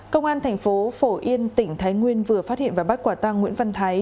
công an thành phố phổ yên tỉnh thái nguyên vừa phát hiện và bắt quả tăng nguyễn văn thái